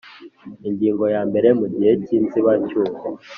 Ingingo ya mbere mu Igihe cy inzibacyuho